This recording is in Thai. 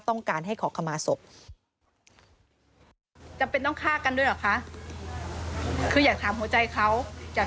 ที่มันก็มีเรื่องที่ดิน